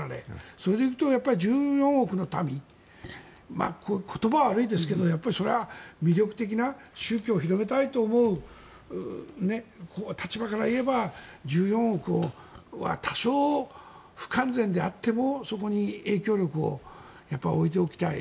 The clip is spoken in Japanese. それでいくと１４億の民言葉は悪いですがそれは魅力的な宗教を広めたいと思う立場から言えば１４億は多少、不完全であってもそこに影響力を置いておきたい。